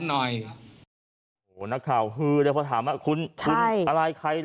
นักข่าวพืยเลยแล้วพอถามว่า